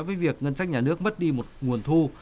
với việc ngân sách nhà nước mất đi một nguồn thu